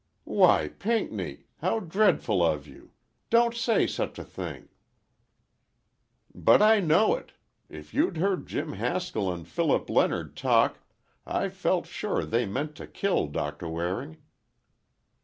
"Why, Pinckney! How dreadful of you! Don't say such a thing!" "But I know it. If you'd heard Jim Haskell and Philip Leonard talk—I felt sure they meant to kill Doctor Waring."